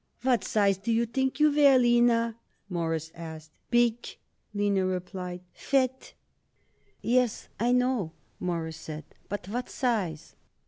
"What size do you think you wear, Lina?" Morris asked. "Big," Lina replied. "Fat." "Yes, I know," Morris said, "but what size?"